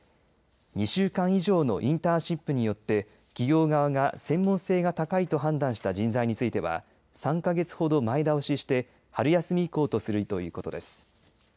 ２週間以上のインターンシップによって企業側が専門性が高いと判断した人材については３か月ほど前倒しして春休み以降とするということです。